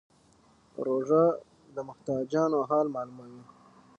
روژه د محتاجانو حال معلوموي.